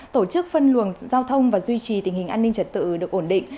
tổ chức phân luồng giao thông và duy trì tình hình an ninh trật tự được ổn định